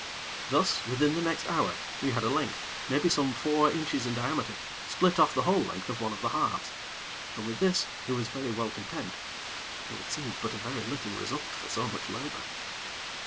Thus, within the next hour, we had a length, maybe some four inches in diameter, split off the whole length of one of the halves, and with this he was very well content; though it seemed but a very little result for so much labor.